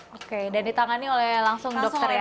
oke dan ditangani oleh langsung dokter ya